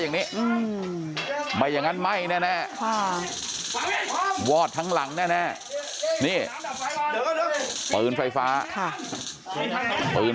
อย่างนี้ไม่อย่างนั้นไหม้แน่วอดทั้งหลังแน่นี่ปืนไฟฟ้าปืน